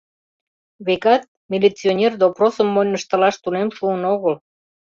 Векат, милиционер допросым монь ыштылаш тунем шуын огыл.